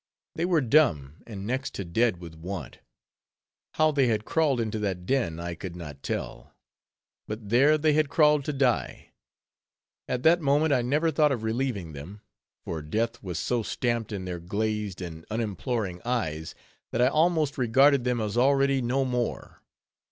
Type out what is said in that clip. They were dumb and next to dead with want. How they had crawled into that den, I could not tell; but there they had crawled to die. At that moment I never thought of relieving them; for death was so stamped in their glazed and unimploring eyes, that I almost regarded them as already no more.